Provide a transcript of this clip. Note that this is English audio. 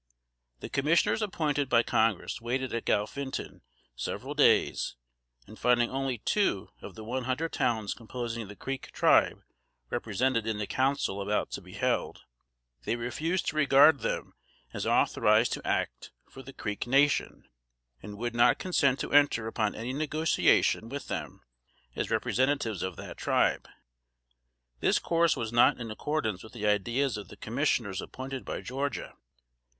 The Commissioners appointed by Congress waited at Galphinton several days, and finding only two of the one hundred towns composing the Creek tribe represented in the council about to be held, they refused to regard them as authorized to act for the Creek nation, and would not consent to enter upon any negotiation with them as representatives of that tribe. This course was not in accordance with the ideas of the Commissioners appointed by Georgia.